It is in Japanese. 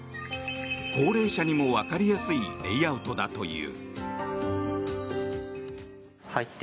高齢者にもわかりやすいレイアウトだという。